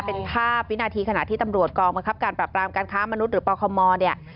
เป็นภาพวินาทีขณะที่ตำรวจกองบังคับการปรับรามการค้ามนุษย์หรือปคมเนี่ย